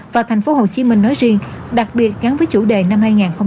và thành phố hồ chí minh nói riêng đặc biệt gắn với chủ đề năm hai nghìn hai mươi một